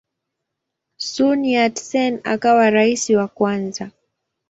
Sun Yat-sen akawa rais wa kwanza.